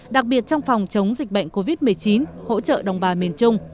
đặc biệt trong phòng chống dịch bệnh covid một mươi chín hỗ trợ đồng bào miền trung